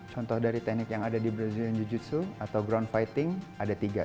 contoh dari teknik yang ada di brazilian jiu jitsu atau ground fighting ada tiga